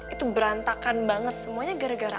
itu berantakan banget semuanya gara gara